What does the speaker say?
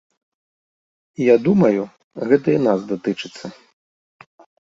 Я думаю, гэта і нас датычыцца.